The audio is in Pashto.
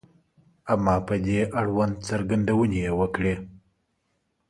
• اما په دې اړوند څرګندونې یې وکړې.